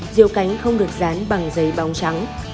diều cánh không được dán bằng giấy bóng trắng